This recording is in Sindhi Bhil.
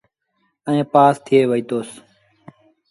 ائيٚݩ پآس ٿئي وهيٚتوس۔